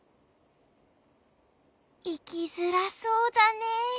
いきづらそうだねえ。